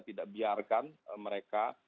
tidak biarkan mereka